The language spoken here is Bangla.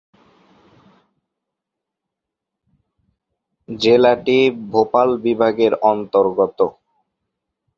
জেলাটি ভোপাল বিভাগের অন্তর্গত।